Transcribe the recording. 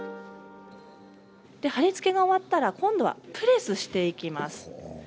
貼り付けが終わったら今度はプレスしていきます。